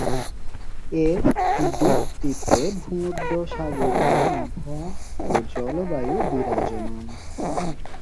এ দ্বীপটিতে ভূমধ্যসাগরীয় আবহাওয়া ও জলবায়ু বিরাজমান।